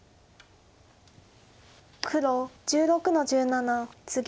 黒１６の十七ツギ。